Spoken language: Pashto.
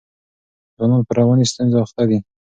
ځوانان په رواني ستونزو اخته دي.